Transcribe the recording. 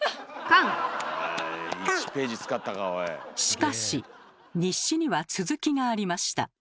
しかし日誌には続きがありました。